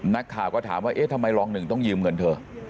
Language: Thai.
นักข่าวก็ถามว่าเอ๊ะทำไมรองหนึ่งต้องยืมเงินเธอ